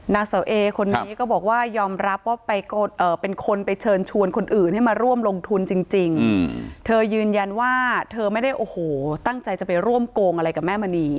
นางเสาเอคนนี้ก็บอกว่ายอมรับว่าเป็นคนไปเชิญชวนคนอื่นให้มาร่วมลงทุนจริงเธอยืนยันว่าเธอไม่ได้โอ้โหตั้งใจจะไปร่วมโกงอะไรกับแม่มณี